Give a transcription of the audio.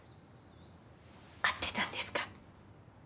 合ってたんですか？